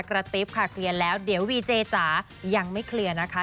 กระติ๊บค่ะเคลียร์แล้วเดี๋ยววีเจจ๋ายังไม่เคลียร์นะคะ